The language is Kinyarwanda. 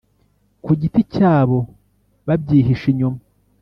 kugiti cyabo babyihishe inyuma